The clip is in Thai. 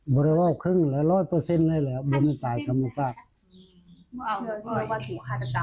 บริลอบครึ่งแล้วร้อยเปอร์เซ็นต์นั่นแล้วบริษัทธรรมศาสตร์